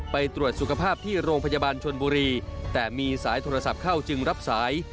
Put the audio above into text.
ไปตรวจสุขภาพที่โรงพยาบาลชนบุรีแต่มีสายโทรศัพท์เข้าจึงรับสาย